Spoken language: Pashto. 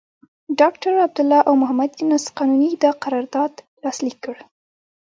ډاکټر عبدالله او محمد یونس قانوني دا قرارداد لاسليک کړ.